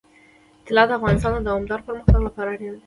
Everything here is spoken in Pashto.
طلا د افغانستان د دوامداره پرمختګ لپاره اړین دي.